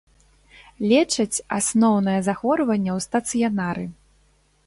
Лечаць асноўнае захворванне ў стацыянары.